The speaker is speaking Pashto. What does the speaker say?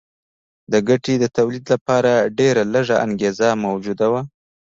د ګټې د تولید لپاره ډېره لږه انګېزه موجوده وه